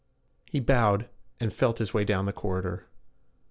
He bowed and felt his way down the corridor.